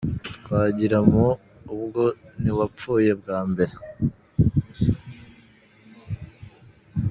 Twagiramu, ubwo ntiwapfuye bwa mbere ?